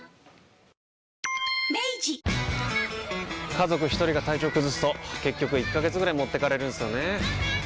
家族一人が体調崩すと結局１ヶ月ぐらい持ってかれるんすよねー。